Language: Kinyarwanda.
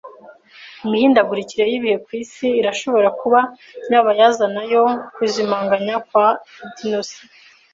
Imihindagurikire y’ibihe ku isi irashobora kuba nyirabayazana yo kuzimangana kwa dinosaur.